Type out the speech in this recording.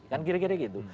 kan kira kira gitu